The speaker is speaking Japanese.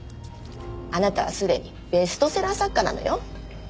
あなたはすでにベストセラー作家なのよ。